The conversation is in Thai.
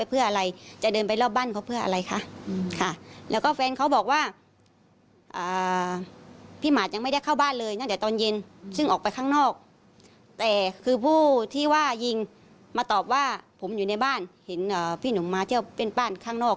เพราะว่าผมอยู่ในบ้านเห็นพี่หนุ่มมาเจ้าเป็นบ้านข้างนอก